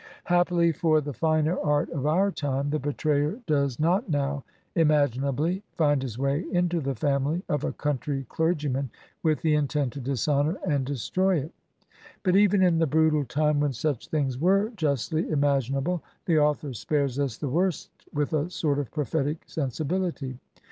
Happily for the finer art of our time, the betrayer does not now imaginably find his way into the family of a country clergyman with the intent to dishonor and de stroy it; but even in the brutal time when such things were justly imaginable the author spares us the worst with a sort of prophetic sensibility.